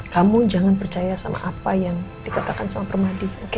kamu jangan percaya sama apa yang dikatakan sama permadi